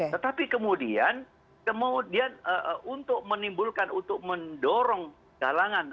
tetapi kemudian kemudian untuk menimbulkan untuk mendorong galangan